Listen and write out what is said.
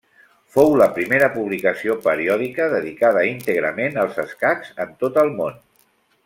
Fou la primera publicació periòdica dedicada íntegrament als escacs en tot el món.